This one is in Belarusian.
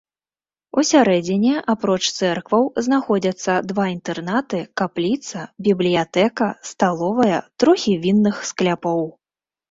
Усярэдзіне апроч цэркваў знаходзяцца два інтэрнаты, капліца, бібліятэка, сталовая, трохі вінных скляпоў.